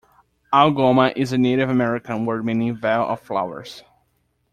Algoma is a Native American word meaning "vale of flowers".